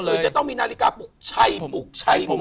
คือจะต้องมีนาฬิกาปลุกใช่ปลุกใช่ป่